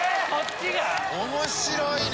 面白いね。